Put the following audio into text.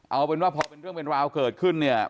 เอาเป็นว่าพอเป็นเรื่องเป็นราวเกิดขึ้นเนี่ย